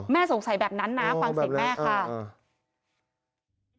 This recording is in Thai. แม่สงสัยแบบนั้นนะฟังสิทธิ์แม่ค่ะ